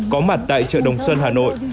có mặt tại chợ đồng xuân hà nội